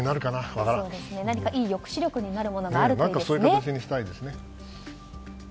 何かいい抑止力になるものがあればいいですね。